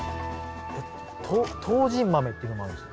唐人豆っていうのもあるんですね。